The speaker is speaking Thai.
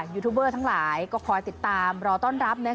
ยูทูบเบอร์ทั้งหลายก็คอยติดตามรอต้อนรับ